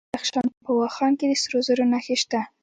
د بدخشان په واخان کې د سرو زرو نښې شته.